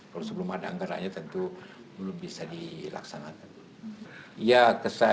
kalau sebelum ada anggarannya tentu belum bisa dilaksanakan